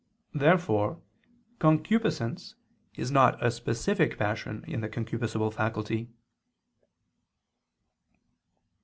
Therefore concupiscence is not a specific passion in the concupiscible faculty.